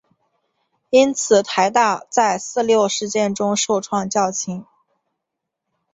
因此台大在四六事件中受创较轻。